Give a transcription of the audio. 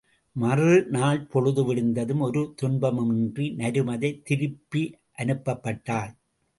மறுநாள் பொழுது விடிந்ததும் ஒரு துன்பமுமின்றி நருமதை திருப்பி அனுப்பப்பட்டாள்.